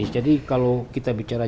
jadi kalau kita bicara